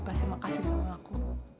pasti makasih sama aku